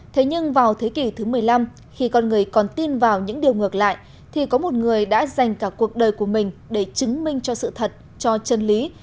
thế nhưng vào thế kỷ thứ một mươi năm khi con người còn tin vào những điều ngược lại thì có một người đã dành cả cuộc đời của mình để chứng minh cho sự thật cho chân lý